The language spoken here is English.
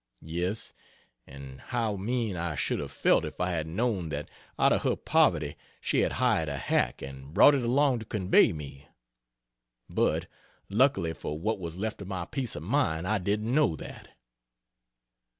Yes, and how mean I should have felt if I had known that out of her poverty she had hired a hack and brought it along to convey me. But luckily for what was left of my peace of mind, I didn't know that.